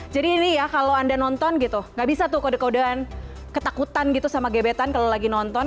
jadi ini ya kalau anda nonton gitu nggak bisa tuh kode kodean ketakutan gitu sama gebetan kalau lagi nonton